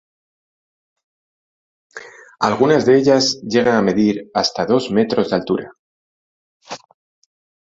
Algunas de ellas llegan a medir hasta dos metros de altura.